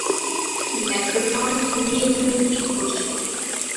Leprechaun, তুমি এখানে কী করছো?